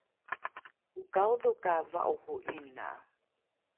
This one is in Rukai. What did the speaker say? okaodho ka va’oro ’ina